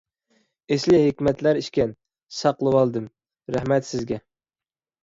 ئېسىل ھېكمەتلەر ئىكەن، ساقلىۋالدىم. رەھمەت سىزگە!